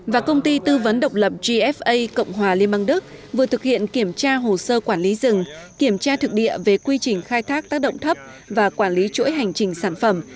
và công ty tư vấn độc lập gfa cộng hòa liên bang đức vừa thực hiện kiểm tra hồ sơ quản lý rừng kiểm tra thực địa về quy trình khai thác tác động thấp và quản lý chuỗi hành trình sản phẩm